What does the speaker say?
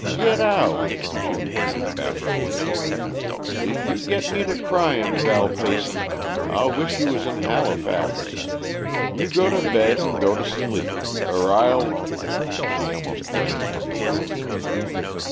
"Git out!" she repeated bashfully. "If you git me to cryin', Val Peyson, I'll wish you was in Halifax. You go to bed, 'n' go to sleep, er I'll " She almost ran from the room.